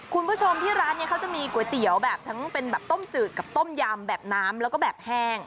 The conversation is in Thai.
คุณผู้ชมที่ร้านนี้เขาจะมีก๋วยเตี๋ยวแบบทั้งเป็นแบบต้มจืดกับต้มยำแบบน้ำแล้วก็แบบแห้ง